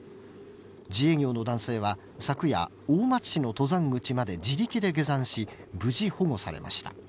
自営業の男性は、昨夜、大町市の登山口まで自力で下山し、無事保護されました。